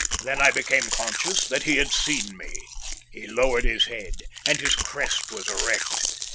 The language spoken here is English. Then I became conscious that he had seen me. He lowered his head, and his crest was erect.